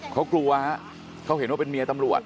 เขากลัวฮะเขาเห็นว่าเป็นเมียตำรวจ